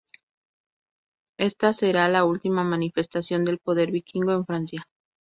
Esta será la última manifestación del poder vikingo en Francia.